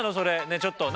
ちょっと何？